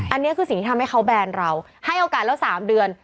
อันนี้คือสิ่งที่ทำให้เขาแบนเราให้โอกาสแล้ว๓เดือน